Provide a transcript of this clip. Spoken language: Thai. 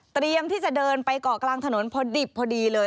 เตรียมที่จะเดินไปเกาะกลางถนนพอดิบพอดีเลย